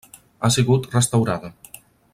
Ha sigut restaurada.